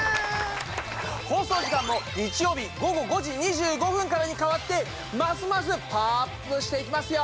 放送時間も日曜日午後５時２５分からに変わってますますパワーアップしていきますよ！